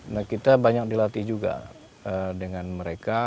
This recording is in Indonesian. nah kita banyak dilatih juga dengan mereka